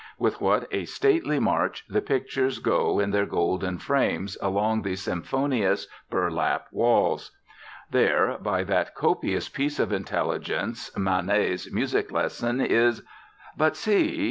With what a stately march the pictures go in their golden frames along the symphonious, burlap walls! There, by that copious piece of intelligence, Manet's "Music Lesson," is But see!